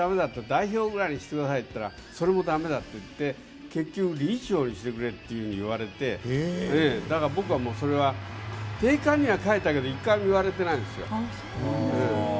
代表ぐらいにしてくださいと言ったらそれも駄目だといって結局、理事長にしてくれと言われてだから僕はそれは定款には書いたけど１回も言われてないですよ。